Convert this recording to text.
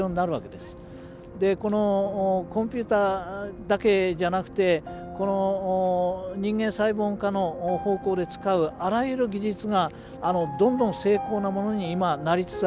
でこのコンピューターだけじゃなくて人間サイボーグ化の方向で使うあらゆる技術がどんどん精巧なものに今なりつつあります。